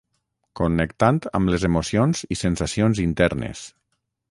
connectant amb les emocions i sensacions internes